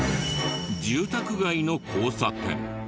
住宅街の交差点。